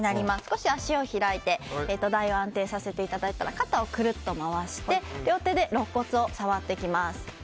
少し足を開いて安定させていただいたら肩をくるっと回して両手でろっ骨を触っていきます。